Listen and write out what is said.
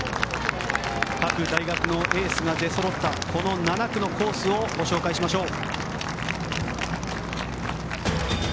各大学のエースが出そろった７区のコースをご紹介しましょう。